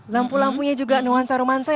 lampu lampunya juga nuansa romansai